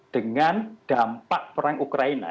dengan dampak perang ukraina